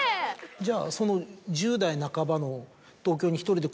じゃあその１０代半ばの１人で。